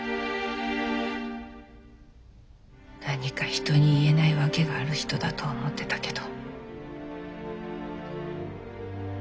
何か人に言えない訳がある人だと思ってたけど。